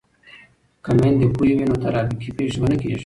که میندې پوهې وي نو ترافیکي پیښې به نه کیږي.